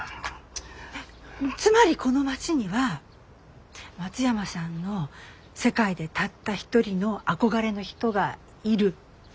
つまりこの町には松山さんの世界でたった一人の憧れの人がいる？